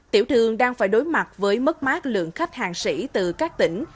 tiểu thương đang phải đối mặt với mất mát lượng khách hàng sĩ từ các tỉnh